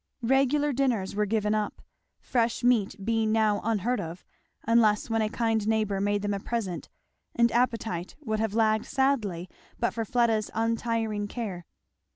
Regular dinners were given up, fresh meat being now unheard of, unless when a kind neighbour made them a present; and appetite would have lagged sadly but for Fleda's untiring care.